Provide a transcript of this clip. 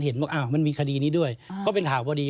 เห็นว่ามันมีคดีนี้ด้วยก็เป็นข่าวพอดี